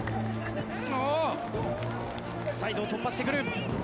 サイドを突破してくる。